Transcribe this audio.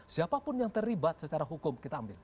siapapun yang terlibat secara hukum kita ambil